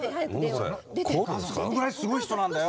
お母さんそんぐらいすごい人なんだよ。